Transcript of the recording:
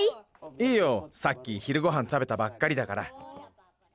いいよさっき昼ごはん食べたばっかりだから。